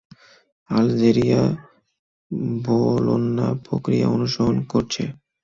Algeria Bologna প্রক্রিয়া অনুসরণ করছে।